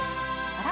あら？